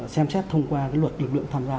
xem xét thông qua luật lực lượng tham gia